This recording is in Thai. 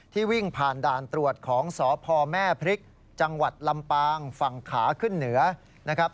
วิ่งผ่านด่านตรวจของสพแม่พริกจังหวัดลำปางฝั่งขาขึ้นเหนือนะครับ